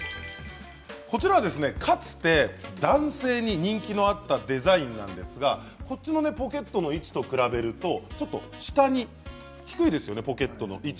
かつて男性に人気のあったデザインなんですがレディースのポケットの位置と比べるとちょっと下に位置が低いですよね。